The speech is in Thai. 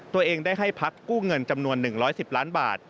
ตัวเองได้ให้พักกู้เงินจำนวน๑๑๐ล้านบาท